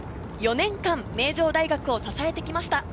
４年間名城大学を支えてきました。